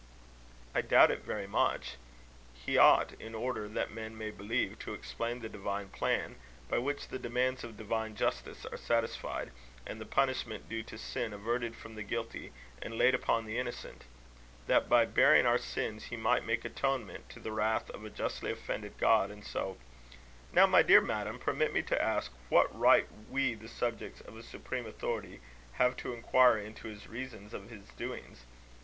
"I doubt it very much. He ought, in order that men may believe, to explain the divine plan, by which the demands of divine justice are satisfied, and the punishment due to sin averted from the guilty, and laid upon the innocent; that, by bearing our sins, he might make atonement to the wrath of a justly offended God; and so " "Now, my dear madam, permit me to ask what right we, the subjects of a Supreme Authority, have to inquire into the reasons of his doings?